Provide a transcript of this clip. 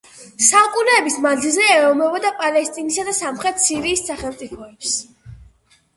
საუკუნეების მანძილზე ეომებოდა პალესტინისა და სამხრეთ სირიის სახელმწიფოებს.